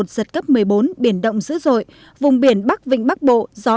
giật cấp một mươi bốn biển động dữ dội vùng biển bắc vịnh bắc bộ